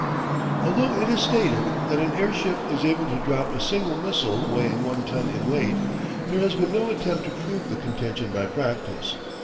Although it is stated that an airship is able to drop a single missile weighing one ton in weight, there has been no attempt to prove the contention by practice.